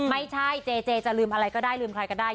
ไม่ใช่เจเจจะลืมอะไรก็ได้ลืมใครก็ได้